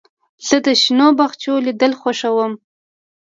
زه د شنو باغچو لیدل خوښوم.